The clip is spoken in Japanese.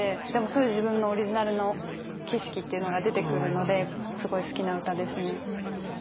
そういう自分のオリジナルの景色っていうのが出てくるのですごい好きな歌ですね。